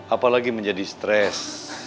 apalagi menjadi stres